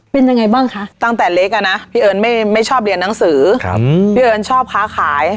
เป็นยังไงบ้างคะตั้งแต่เล็กอ่ะนะพี่เอิญไม่ชอบเรียนหนังสือพี่เอิญชอบค้าขาย